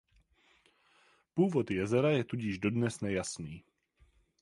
Původ jezera je tudíž dodnes nejasný.